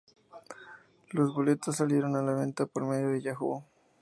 Los boletos salieron a la venta por medio de Yahoo!